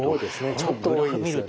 ちょっと多いですよね。